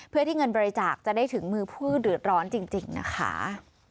เพื่อที่เงินบริจาคจะได้ถึงมือผู้เดือดร้อนจริงนะคะ